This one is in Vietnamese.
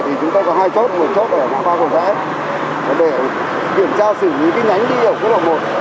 thì chúng ta có hai chốt một chốt ở pháp vân cầu rẽ để kiểm tra xử lý cái nhánh đi ở quốc lộ một